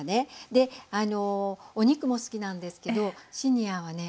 でお肉も好きなんですけどシニアはね